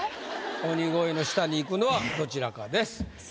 鬼越の下に行くのはどちらかです。